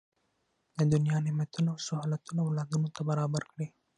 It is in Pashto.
د دنیا نعمتونه او سهولتونه اولادونو ته برابر کړي.